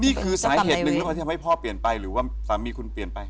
นี่คือสาเหตุหนึ่งหรือเปล่าที่ทำให้พ่อเปลี่ยนไปหรือว่าสามีคุณเปลี่ยนไป